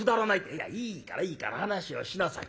「いやいいからいいから話をしなさい。